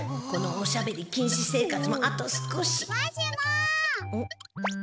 このおしゃべり禁止生活もあと少し。